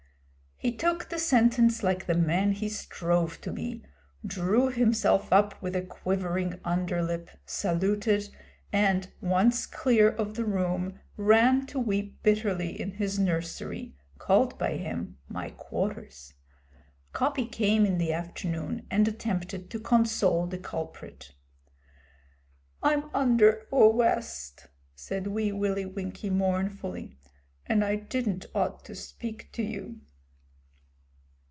He took the sentence like the man he strove to be, drew himself up with a quivering under lip, saluted, and, once clear of the room ran, to weep bitterly in his nursery called by him 'my quarters.' Coppy came in the afternoon and attempted to console the culprit. 'I'm under awwest,' said Wee Willie Winkie mournfully, 'and I didn't ought to speak to you.'